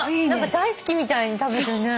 大好きみたいに食べてるね。